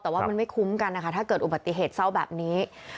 แต่ว่ามันไม่คุ้มกันนะคะถ้าเกิดอุบัติเหตุเศร้าแบบนี้